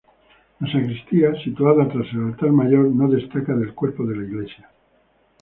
La sacristía, situada tras el altar mayor, no destaca del cuerpo de la iglesia.